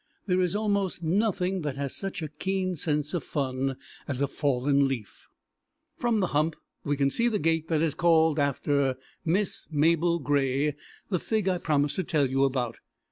There is almost nothing that has such a keen sense of fun as a fallen leaf. From the Hump we can see the gate that is called after Miss Mabel Grey, the Fig I promised to tell you about.